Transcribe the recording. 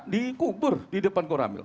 dikubur di depan koramil